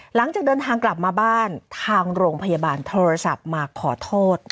หลังจากเดินทางกลับมาบ้านทางโรงพยาบาลโทรศัพท์มาขอโทษ